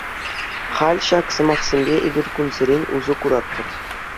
Халь ҫак сӑмахсемпе эпир кунсерен усӑ куратпӑр.